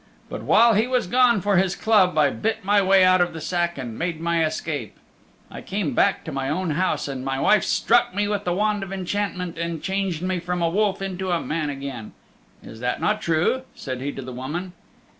But while he was gone for his club I bit my way out of the sack and made my escape. I came back to my own house, and my wife struck me with the wand of enchantment, and changed me from a wolf into a man again. 'Is that not true?'" said he to the woman.